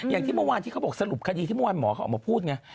อย่างที่เมื่อวานที่เขาบอกสรุปคดีที่เมื่อวานหมอเขาออกมาพูดไง